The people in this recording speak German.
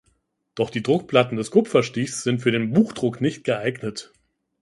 Doch die Druckplatten des Kupferstichs sind für den Buchdruck nicht geeignet.